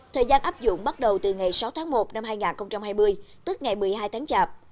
thời gian áp dụng bắt đầu từ ngày sáu tháng một năm hai nghìn hai mươi tức ngày một mươi hai tháng chạp